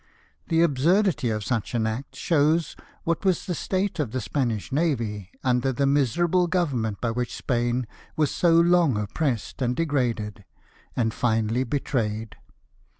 The absurdity of such an act shows what was the state of the Spanish navy under that miserable Government by which Spain was so long oppressed and degraded, and finally betrayed.